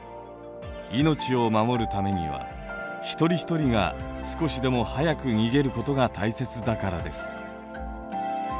命を守るためには一人一人が少しでも早く逃げることが大切だからです。